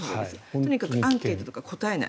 とにかくアンケートとか答えない。